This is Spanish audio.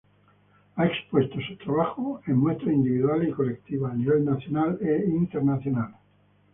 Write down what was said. Ha expuesto sus trabajos en muestras individuales y colectivas, a nivel nacional e internacional.